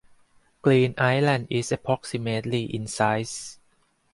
Green Island is approximately in size.